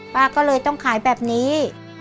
ป้าก็เลยต้องขายแบบนี้